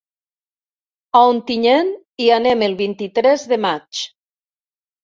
A Ontinyent hi anem el vint-i-tres de maig.